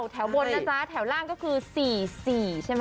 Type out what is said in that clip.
แถวบนนะจ๊ะแถวล่างก็คือ๔๔ใช่ไหม